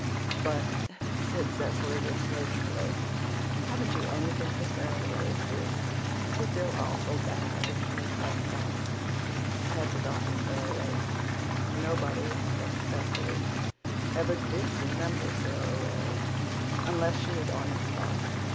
"But," said Cecily, reproachfully, "haven't you anything for Sara Ray to do? She'll feel awful bad if she is left out." I had forgotten Sara Ray. Nobody, except Cecily, ever did remember Sara Ray unless she was on the spot.